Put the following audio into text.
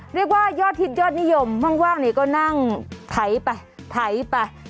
เรียกว่ายอดฮิตยอดนิยมว่างนี่ก็นั่งไถไปไถไป